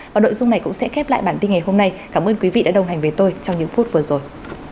và nội dung này cũng sẽ khép lại bản tin ngày hôm nay cảm ơn quý vị đã đồng hành với tôi trong những phút vừa rồi